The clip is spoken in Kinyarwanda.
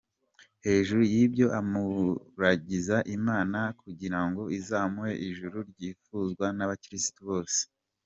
Hejuru y’ibyo amuragiza Imana kugirango izamuhe Ijuru ryifuzwa n’abakirisitu bose.